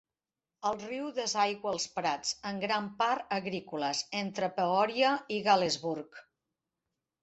El riu desaigua els prats, en gran part agrícoles, entre Peoria i Galesburg.